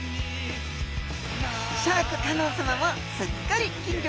シャーク香音さまもすっかり金魚